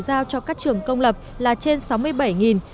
giảm nghèo là rất cần thiết